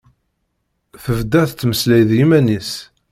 Tebda tettmeslay d yiman-is.